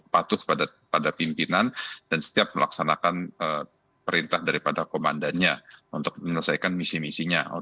patuh pada pimpinan dan setiap melaksanakan perintah daripada komandannya untuk menyelesaikan misi misinya